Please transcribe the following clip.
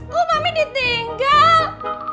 gua mami ditinggal